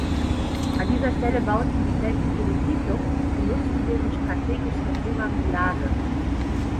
An dieser Stelle bauten die Kelten ihre Siedlung und nutzten deren strategisch hervorragende Lage.